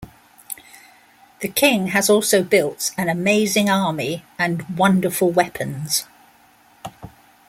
The king has also built "an amazing army" and "wonderful weapons".